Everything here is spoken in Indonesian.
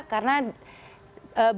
karena berapa tahun ini